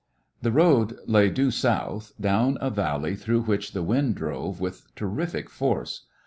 The road lay due south, down a valley through which the wind drove with terrific force.